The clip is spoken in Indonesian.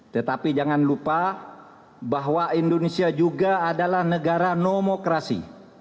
tetapi jangan lupa bahwa indonesia juga adalah negara nomokrasi